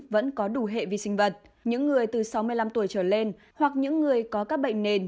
vẫn có đủ hệ vi sinh vật những người từ sáu mươi năm tuổi trở lên hoặc những người có các bệnh nền